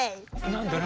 何だ？